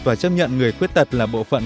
và chấp nhận người khuyết thật là bộ phận